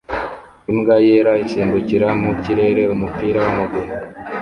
Imbwa yera isimbukira mu kirere umupira wamaguru